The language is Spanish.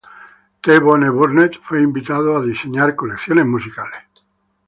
T Bone Burnett fue invitado a diseñar colecciones musicales.